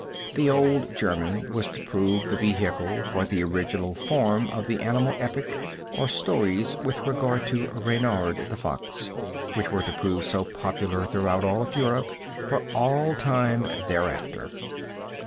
The low German was to prove the vehicle for the original form of the animal epic or stories with regard to Reynard, the Fox, which were to prove so popular throughout all of Europe for all time thereafter.